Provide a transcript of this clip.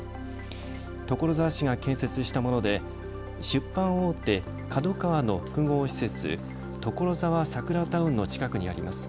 所沢市が建設したもので出版大手、ＫＡＤＯＫＡＷＡの複合施設、ところざわサクラタウンの近くにあります。